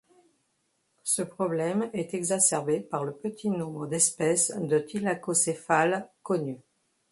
Ce problème est exacerbé par le petit nombre d'espèces de thylacocéphales connues.